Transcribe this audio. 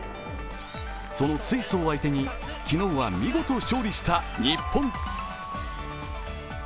そのスイスを相手に、昨日は見事勝利した日本。